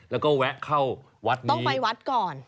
แล้วก็แวะเข้าวัดก่อนต้องไปวัดก่อน